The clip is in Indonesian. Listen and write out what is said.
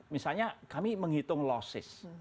misalnya kami menghitung losses